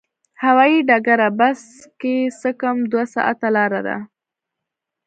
هوایي ډګره بس کې څه کم دوه ساعته لاره ده.